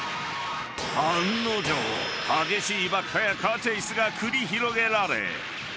［案の定激しい爆破やカーチェイスが繰り広げられ］